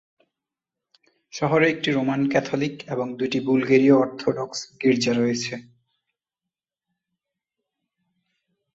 শহরে একটি Roman Catholic এবং দুটি বুলগেরীয় অর্থোডক্স গির্জা রয়েছে।